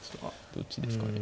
どっちですかね。